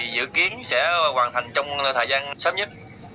dự kiến sẽ hoàn thành trong thời gian sắp nhất